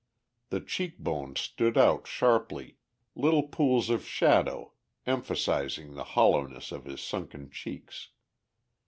The cheek bones stood out sharply, little pools of shadow emphasizing the hollowness of his sunken cheeks.